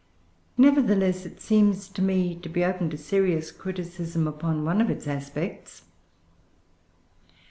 Nevertheless, it seems to me to be open to serious criticism upon one of its aspects.